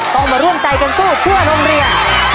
ต้องมาร่วมใจกันสู้ทั่วโรงเรียน